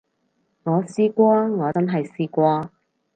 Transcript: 我試過，我真係試過